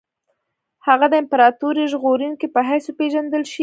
هغه د امپراطوري ژغورونکي په حیث وپېژندل شي.